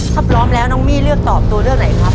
ถ้าพร้อมแล้วน้องมี่เลือกตอบตัวเลือกไหนครับ